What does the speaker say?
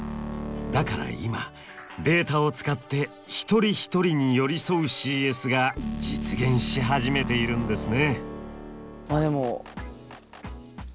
だから今データを使って一人一人に寄り添うＣＳが実現し始めているんですね。